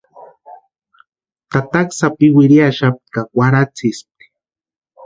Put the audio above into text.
Tataka sápi wiriaxapti ka kwarhatsïspti.